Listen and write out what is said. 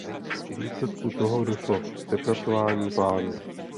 V důsledku toho došlo k přepracování plánu.